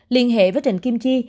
liên hệ với trịnh kim chi